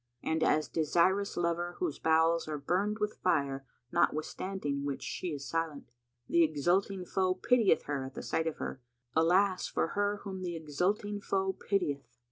And a desirous lover whose bowels are burned with fire notwithstanding which she is silent. The exulting foe pitieth her at the sight of her. Alas for her whom the exulting foe pitieth!"